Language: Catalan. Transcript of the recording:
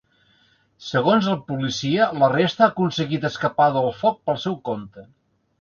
Segons la policia, la resta ha aconseguit escapar del foc “pel seu compte”.